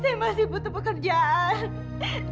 saya masih butuh pekerjaan